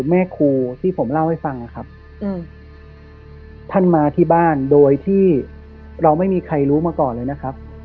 แม่ครูที่ผมเล่าให้ฟังนะครับท่านมาที่บ้านโดยที่เราไม่มีใครรู้มาก่อนเลยนะครับ